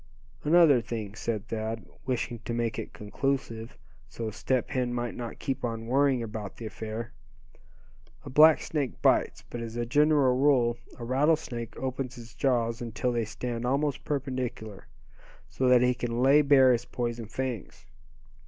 "Another thing," said Thad, wishing to make it conclusive, so Step Hen might not keep on worrying about the affair. "A black snake bites, but as a general rule a rattlesnake opens his jaws until they stand almost perpendicular, so that he can lay bare his poison fangs.